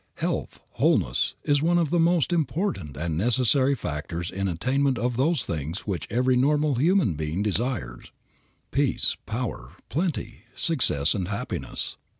Health, wholeness, is one of the most important and necessary factors for the attainment of those things which every normal human being desires, peace, power, plenty, success and happiness.